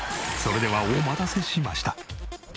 それではお待たせしました。